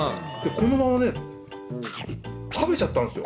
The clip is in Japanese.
このままね、食べちゃったんですよ。